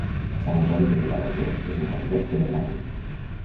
Sant Antoni de Vilamajor es un bon lloc per anar-hi